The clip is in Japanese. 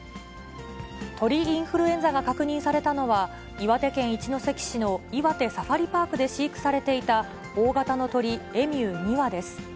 鳥インフルエンザが確認されたのは、岩手県一関市の岩手サファリパークで飼育されていた大型の鳥、エミュー２羽です。